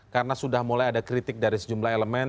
karena sudah mulai ada kritik dari sejumlah elemen